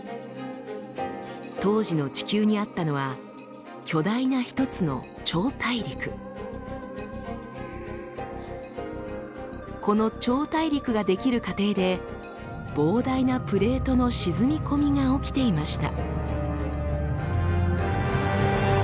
当時の地球にあったのは巨大な一つのこの超大陸が出来る過程で膨大なプレートの沈み込みが起きていました。